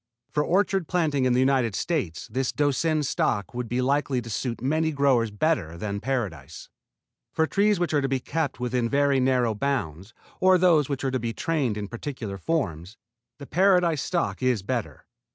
For orchard planting in the United States this Doucin stock would be likely to suit many growers better than Paradise. For trees which are to be kept within very narrow bounds, or those which are to be trained in particular forms, the Paradise stock is better.